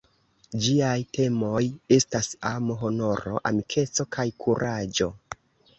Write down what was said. Ĝiaj temoj estas amo, honoro, amikeco kaj kuraĝo.